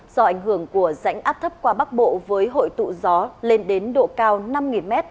do ảnh hưởng của rãnh áp thấp qua bắc bộ với hội tụ gió lên đến độ cao năm m